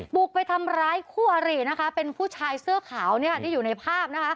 บุกไปทำร้ายคู่อรินะคะเป็นผู้ชายเสื้อขาวที่อยู่ในภาพนะคะ